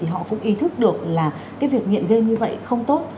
họ cũng ý thức được là cái việc nghiện game như vậy không tốt